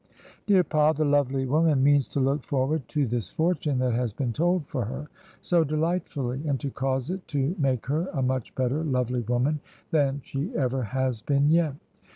Dear pa, the lovely woman means to look forward to this fortune that has been told for her, so delightfully, and to cause it to make her a niuch better lovely woman than she ever has been yet.